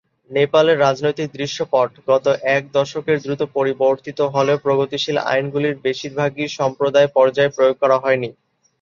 নেপালের রাজনৈতিক দৃশ্যপট গত এক দশকে দ্রুত পরিবর্তিত হলেও, প্রগতিশীল আইনগুলির বেশিরভাগই সম্প্রদায় পর্যায়ে প্রয়োগ করা হয়নি।